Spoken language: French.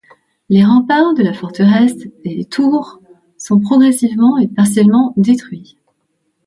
Les remparts de la forteresse et les tours sont progressivement et partiellement détruits.